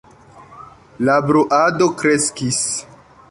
La bruado kreskis.